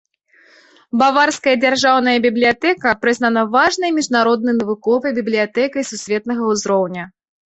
Баварская дзяржаўная бібліятэка прызнана важнай міжнароднай навуковай бібліятэкай сусветнага ўзроўня.